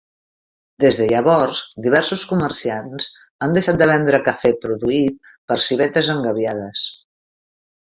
Des de llavors, diversos comerciants han deixat de vendre cafè produït per civetes engabiades.